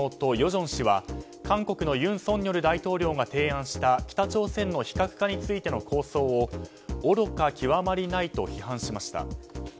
正氏は韓国の尹錫悦大統領が提案した北朝鮮の非核化についての構想を愚か極まりないと批判しました。